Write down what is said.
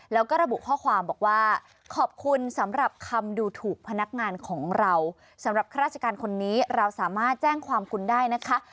แล้วก็ระบุข้อความบอกว่าขอบคุณสำหรับคำดูถูกพนักงานของเราสำหรับข้าราชการคนนี้เราสามารถแจ้งความคุณได้นะคะ